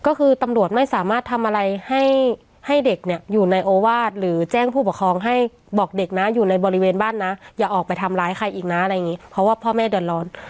ก็คือตำรวจไม่สามารถทำอะไรให้ให้เด็กเนี่ยอยู่ในโอวาสหรือแจ้งผู้ปกครองให้บอกเด็กนะอยู่ในบริเวณบ้านนะอย่าออกไปทำร้ายใครอีกนะอะไรอย่างนี้เพราะว่าพ่อแม่เดือดร้อน